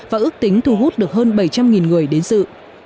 và ước tính thu hút được hơn bảy trăm linh người đến dự